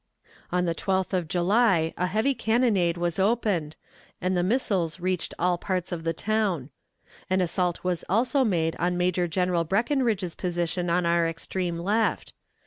On the 12th of July a heavy cannonade was opened, and the missiles reached all parts of the town. An assault was also made on Major General Breckinridge's position on our extreme left.